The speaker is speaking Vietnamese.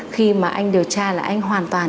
khi mà anh điều tra là anh hoàn toàn